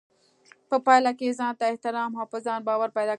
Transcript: په پايله کې ځانته احترام او په ځان باور پيدا کوي.